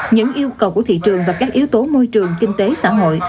những yêu cầu của thị trường và các yếu tố môi trường kinh tế xã hội